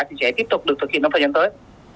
thì sẽ tiếp tục được thực hiện trong thời gian tới